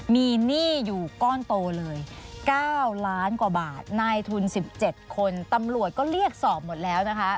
มีหนี้อยู่ก้อนโตเลย๙ล้านกว่าบาทนายทุน๑๗คนตำรวจก็เรียกสอบหมดแล้วนะคะ